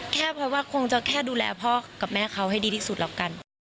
เพราะว่าคงจะแค่ดูแลพ่อกับแม่เขาให้ดีที่สุดแล้วกัน